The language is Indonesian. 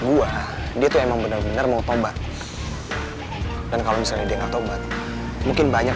buah dia tuh emang bener bener mau tobat dan kalau misalnya dia nggak tobat mungkin banyak